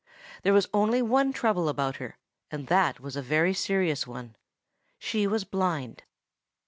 There was only one trouble about her; but that was a very serious one,—she was blind.